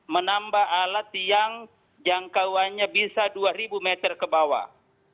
menambah alat yang jangkauannya bisa dua ribu meter ke bawah